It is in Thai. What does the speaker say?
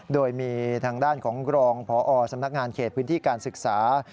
โดยมีทางด้านของกรองพอสำนักงานเขตพื้นที่การศึกษา